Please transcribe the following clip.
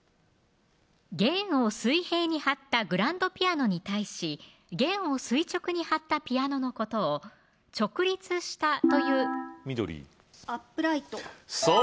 弦を水平に張ったグランドピアノに対し弦を垂直に張ったピアノのことを「直立した」という緑アップライトそう